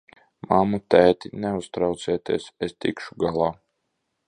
Mammu, tēti, neuztraucieties, es tikšu galā!